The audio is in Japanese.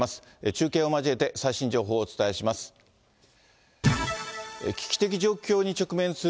中継を交えて最新情報をお伝えします。